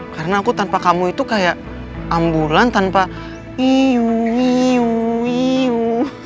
karena aku tanpa kamu itu kayak ambulan tanpa iu iu iu